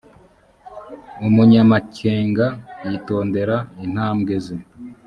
umunyamakenga yitondera intambwe ze